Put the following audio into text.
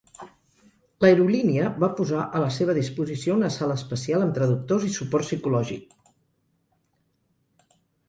L'aerolínia va posar a la seva disposició una sala especial amb traductors i suport psicològic.